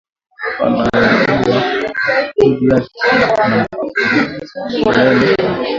Baba anaujiya bibi yaka ma mpango mbiri ya munene sana